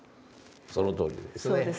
そのとおりですね。